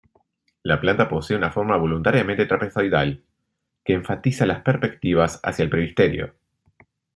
La planta posee una forma voluntariamente trapezoidal, que enfatiza las perspectivas hacia el presbiterio.